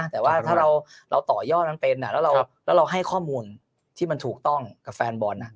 แต่ว่าถ้าเราต่อยอดมันเป็นแล้วเราให้ข้อมูลที่มันถูกต้องกับแฟนบอล